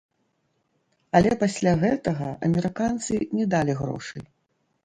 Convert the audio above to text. Але пасля гэтага амерыканцы не далі грошай.